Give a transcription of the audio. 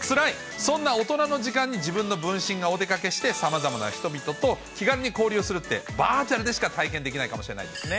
そんな大人の時間に自分の分身がお出かけして、さまざまな人々と気軽に交流するって、バーチャルでしか体験できないかもしれないですね。